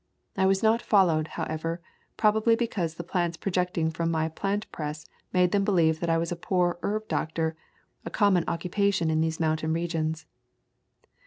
I was not followed, however, probably because the plants projecting from my plant press made .. them believe that I was a poor herb doctor, a common occupation'in these mountain regions.